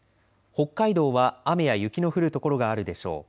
北海道は雨や雪の降る所があるでしょう。